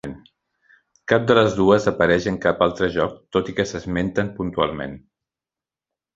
Cap de les dues apareix en cap altre joc, tot i que s'esmenten puntualment.